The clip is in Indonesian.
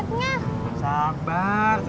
sabar sebentar lagi kembali